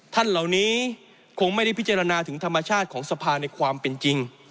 ท่านเหล่านี้คงไม่ได้พิจารณาถึงธรรมชาติของสภาในความเป็นจริง